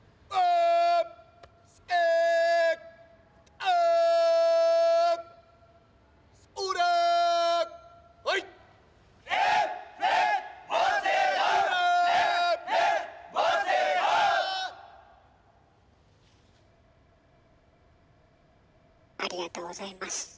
ありがとうございます。